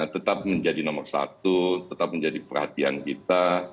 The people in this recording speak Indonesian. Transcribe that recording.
tetap menjadi nomor satu tetap menjadi perhatian kita